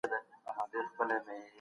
ما پخوا دا سندرې اورېدلې وې.